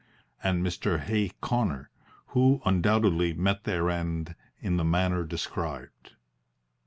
and Mr. Hay Connor, who undoubtedly met their end in the manner described.